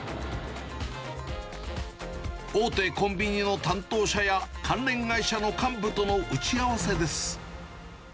大手コンビニの担当者や、関連会社の幹部との打ち合わせです。